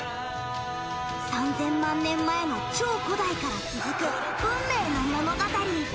３，０００万年前の超古代から続く運命の物語。